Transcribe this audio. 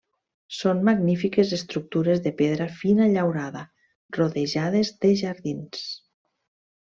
Són magnífiques estructures de pedra fina llaurada, rodejades de jardins.